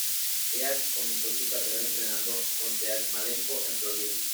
Heath comenzó su carrera entrenando con Dean Malenko en Florida.